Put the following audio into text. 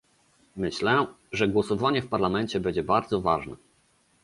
Myślę, że głosowanie w Parlamencie będzie bardzo ważne